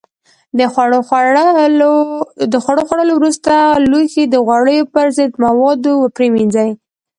د خوړو خوړلو وروسته لوښي د غوړیو پر ضد موادو پرېمنځئ.